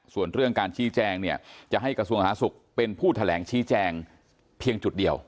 ส่วนเรื่องการชี้แจงเนี่ยจะให้กระทรวงหาศุกร์เป็นผู้แถลงชี้แจงเพียงจุดเดียว